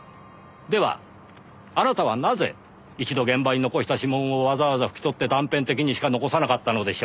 ではあなたはなぜ一度現場に残した指紋をわざわざ拭き取って断片的にしか残さなかったのでしょう。